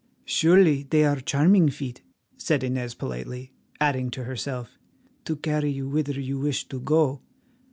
"Surely they are charming feet," said Inez politely, adding to herself, "to carry you whither you wish to go."